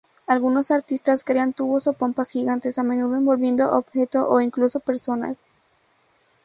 Algunos artistas crean tubos o pompas gigantes, a menudo envolviendo objetos o incluso personas.